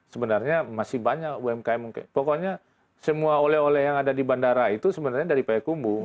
sebenarnya masih banyak umkm pokoknya semua oleh oleh yang ada di bandara itu sebenarnya dari payakumbu